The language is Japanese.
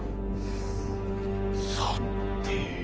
さて？